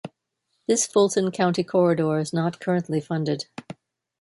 This Fulton County corridor is not currently funded.